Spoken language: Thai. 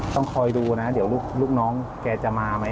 ต้องคอยดูนะเดี๋ยวลูกน้องแกจะมาไหม